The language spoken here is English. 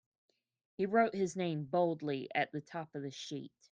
He wrote his name boldly at the top of the sheet.